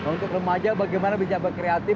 untuk remaja bagaimana bisa berkreatif